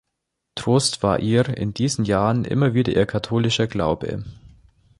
Trost war ihr in diesen Jahren immer wieder ihr katholischer Glaube.